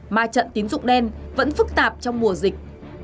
ma trận tín dụng đen vẫn phức tạp trong mùa dịch